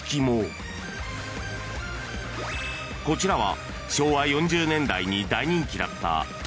［こちらは］